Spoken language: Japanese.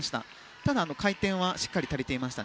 ただ、回転はしっかり足りていました。